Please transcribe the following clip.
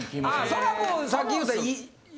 それはもうさっき言うた。